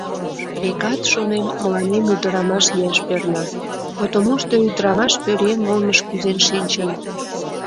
Векат, шонем, мыланем ӱдырамаш лияш перна, потомушто ӱдырамаш пӧръеҥ олмыш кӱзен шинчын.